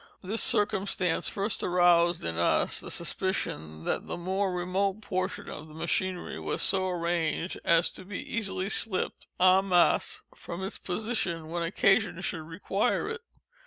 This circumstance first aroused in us the suspicion that the more remote portion of the machinery was so arranged as to be easily slipped, _en masse, _from its position when occasion should require it.